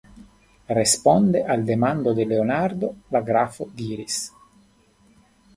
Responde al demando de Leonardo, la grafo diris: